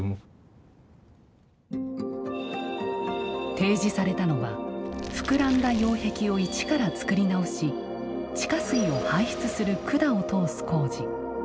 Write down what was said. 提示されたのは膨らんだ擁壁をいちから造り直し地下水を排出する管を通す工事。